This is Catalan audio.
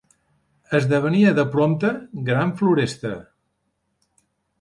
Esdevenia de prompte gran floresta